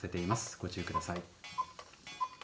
ご注意ください。